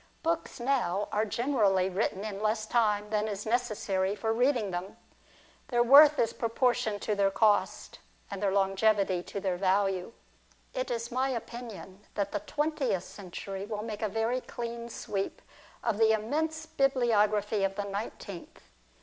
Books now are generally written in less time than is necessary for reading them. Their worth is proportioned to their cost, and their longevity to their value. It is my opinion that the twentieth century will make a very clean sweep of the immense bibliography of the nineteenth.